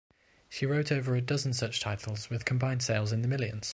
She wrote over a dozen such titles with combined sales in the millions.